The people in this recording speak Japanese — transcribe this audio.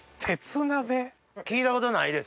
聞いたことないですね。